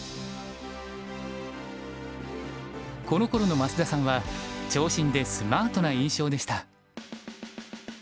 このころの増田さんは長身でスマートな印象でした。